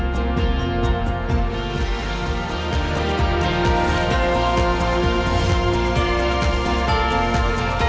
sampai jumpa stay safe